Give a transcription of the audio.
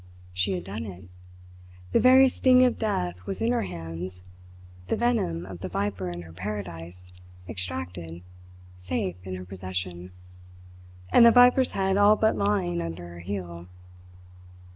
She had done it! The very sting of death was in her hands, the venom of the viper in her paradise, extracted, safe in her possession and the viper's head all but lying under her heel.